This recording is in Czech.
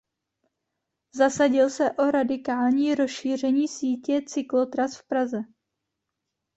Zasadil se o radikální rozšíření sítě cyklotras v Praze.